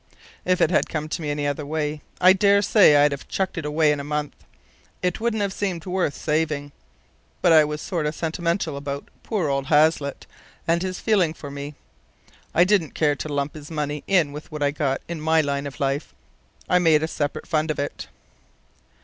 "If it had come to me any other way, I dare say I'd have chucked it away in a month. It wouldn't have seemed worth saving. But I was sort of sentimental about poor old Haslett and his feeling for me. I didn't care to lump his money in with what I got in my line of life. I made a separate fund of it.